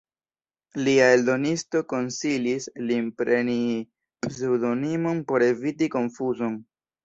Lia eldonisto konsilis lin preni pseŭdonimon por eviti konfuzon.